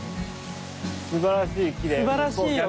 素晴らしいきれい。